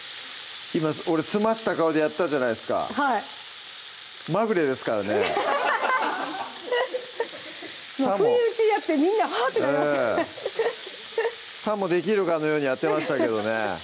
今俺澄ました顔でやったじゃないですかはいまぐれですからね不意打ちでやってみんなハッてなりましたさもできるかのようにやってましたけどね